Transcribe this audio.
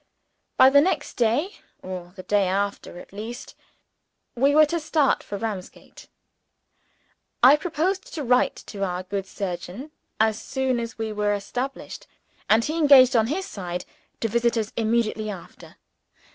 By the next day, or the day after at latest, we were to start for Ramsgate. I promised to write to our good surgeon as soon as we were established; and he engaged on his side, to visit us immediately after.